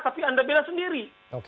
tapi anda bela sendiri